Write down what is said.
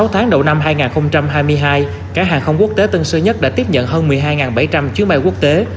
sáu tháng đầu năm hai nghìn hai mươi hai cảng hàng không quốc tế tân sơn nhất đã tiếp nhận hơn một mươi hai bảy trăm linh chuyến bay quốc tế